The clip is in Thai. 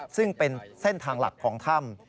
ซึ่งเป็นเส้นทางหลักของถ้ำ